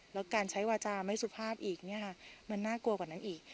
แล้วการใช้วาจาไม่สุภาพอีกเนี่ยค่ะมันน่ากลัวกว่านั้นอีก